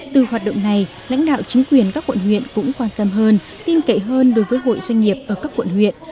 từ hoạt động này lãnh đạo chính quyền các quận huyện cũng quan tâm hơn tin cậy hơn đối với hội doanh nghiệp ở các quận huyện